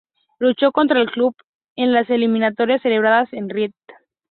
Luchó contra el Club K en las eliminatorias celebradas en Riad.